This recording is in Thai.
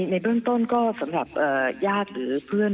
ในเบื้องต้นก็สำหรับญาติหรือเพื่อน